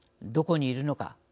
「どこにいるのか。